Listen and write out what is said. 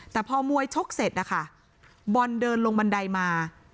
แต่พอมวยชกเสร็จนะคะบอลเดินลงบันไดมา